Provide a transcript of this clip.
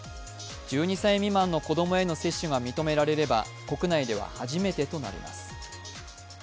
１２歳未満の子供への接種が認められれば国内では初めてとなります。